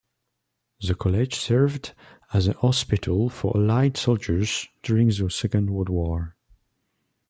The College served as a hospital for Allied soldiers during the Second World War.